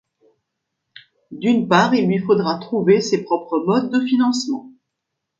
D’une part il lui faudra trouver ses propres modes de financement.